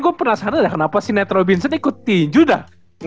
gue penasaran lah kenapa si ned robinson ikut tinju dah